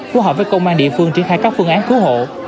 của hợp với công an địa phương triển khai các phương án cứu hộ